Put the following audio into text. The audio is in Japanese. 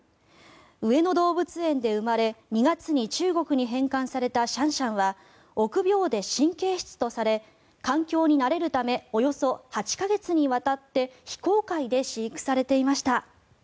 上野動物園で生まれ、２月に中国に返還されたシャンシャンは臆病で神経質とされ環境に慣れるためおよそ８か月にわたって非公開で飼育されていました。